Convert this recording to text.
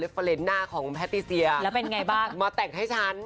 แล้วตัดภาพว่าที่จะกระลีนต่ำทั้งร้องไห้อยู่เลย